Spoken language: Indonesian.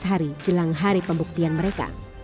empat belas hari jelang hari pembuktian mereka